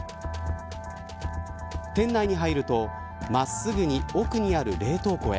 店内に入ると真っすぐに奥にある冷凍庫へ。